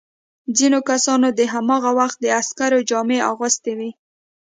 ځینو کسانو د هماغه وخت د عسکرو جامې اغوستي وې.